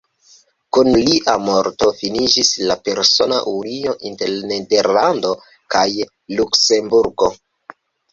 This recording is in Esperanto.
Kun lia morto finiĝis la persona unio inter Nederlando kaj Luksemburgo.